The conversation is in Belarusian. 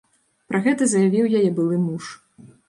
Пра гэта заявіў яе былы муж.